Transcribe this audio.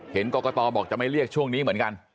เห็นกรกตบอกจะไม่เรียกช่วงนี้เหมือนกัน